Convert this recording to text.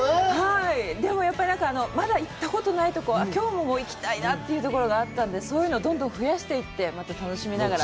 でも、やっぱりまだ行ったことないところ、きょうも行きたいなっていうところがあったので、そういうのをどんどんふやしていって、また楽しみながら。